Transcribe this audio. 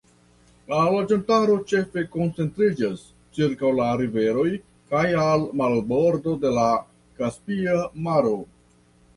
La loĝantaro ĉefe koncentriĝas ĉirkaŭ la riveroj kaj al marbordo de la Kaspia Maro.